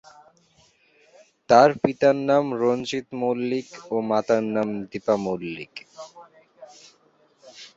তার পিতার নাম রঞ্জিত মল্লিক ও মাতার নাম দীপা মল্লিক।